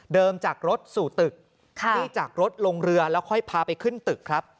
จากรถสู่ตึกที่จากรถลงเรือแล้วค่อยพาไปขึ้นตึกครับ